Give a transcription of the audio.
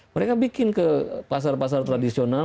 mereka bikin ke pasar pasar tradisional